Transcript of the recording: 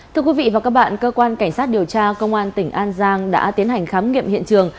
thưa quý vị và các bạn cơ quan cảnh sát điều tra công an tỉnh an giang đã tiến hành khám nghiệm hiện trường